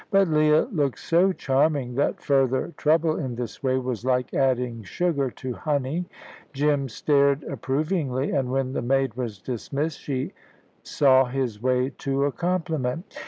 But Leah looked so charming, that further trouble in this way was like adding sugar to honey. Jim stared approvingly, and, when the maid was dismissed, saw his way to a compliment.